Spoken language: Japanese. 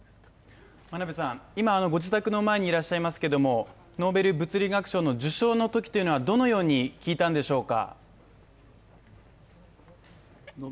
今ご自宅の前にいらっしゃいますけれども、ノーベル物理学賞の受賞のときというのは、どのように聞いたのでしょうか？